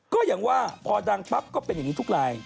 ก็อย่างว่าพอดังปั๊บก็เป็นอย่างนี้ทุกราย